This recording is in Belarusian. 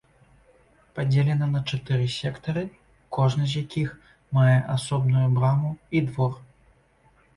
Падзелена на чатыры сектары, кожны з якіх мае асобную браму і двор.